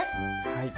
はい。